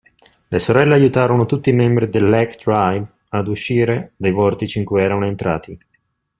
Le sorelle aiutarono tutti i membri dell'Hack Tribe a uscire dai vortici in cui erano entrati.